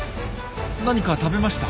何か食べました。